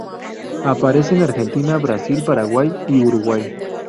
Aparece en Argentina, Brasil, Paraguay y Uruguay.